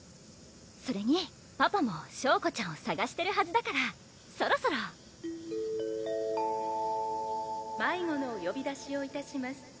それにパパも翔子ちゃんをさがしてるはずだからそろそろアナウンス「迷子のおよび出しをいたします」